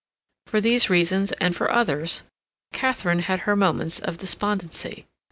For these reasons, and for others, Katharine had her moments of despondency.